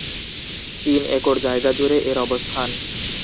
তিন একর জায়গা জুড়ে এর অবস্থান।